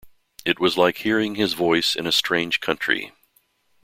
It was like hearing his voice in a strange country.